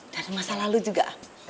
dari masa lalu juga